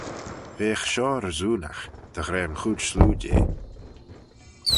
Veagh shoh resoonagh, dy ghra yn chooid sloo jeh.